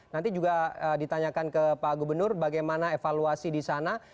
nanti juga ditanyakan ke pak gubernur bagaimana evaluasi di sana